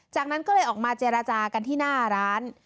จากนั้นก็เลยออกมาเจรจากันที่หน้าร้าน